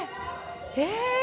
え？